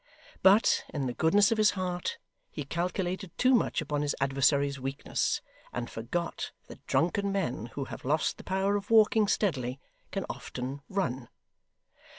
But, in the goodness of his heart, he calculated too much upon his adversary's weakness, and forgot that drunken men who have lost the power of walking steadily, can often run.